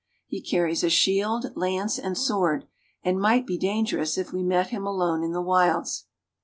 He carries a shield, lance, and sword, and might be dangerous if we met him alone in the wilds.